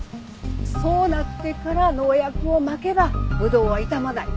そうなってから農薬をまけばぶどうは傷まない。